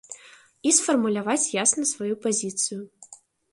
І сфармуляваць ясна сваю пазіцыю.